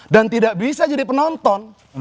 dan tidak bisa jadi penonton